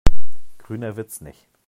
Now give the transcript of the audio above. Grüner wird's nicht.